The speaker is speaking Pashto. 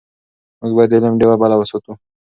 موږ باید د علم ډېوه بله وساتو.